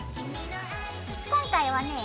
今回はね